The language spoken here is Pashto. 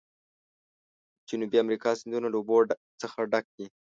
د جنوبي امریکا سیندونه له اوبو څخه ډک دي.